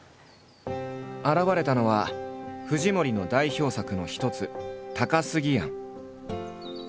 現れたのは藤森の代表作の一つ「高過庵」。